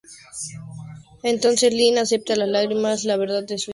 Entonces, Lynn acepta con lágrimas, la verdad de su hijo.